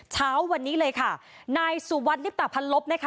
เช้าวันนี้เลยค่ะนายสุวัสดิบตะพันลบนะคะ